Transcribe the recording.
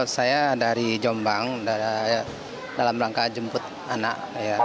saya dari jombang dalam rangka jemput anak